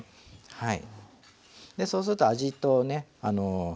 はい。